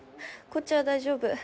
こっちは大丈夫。